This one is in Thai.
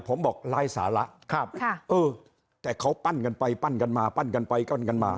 ผมบอกร้ายสาระเออแต่เขาปั้นกันไปปั้นกันมาปั้นกันไปปั้นกันมา